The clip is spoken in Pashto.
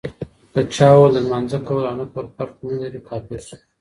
که چا وويل د لمانځه کول اونه کول فرق نلري، کافر سو